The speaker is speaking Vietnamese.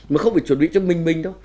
mà không phải chuẩn bị cho mình mình đâu